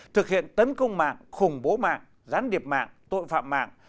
thực hiện tấn công mạng khủng bố mạng gián điệp mạng tội phạm mạng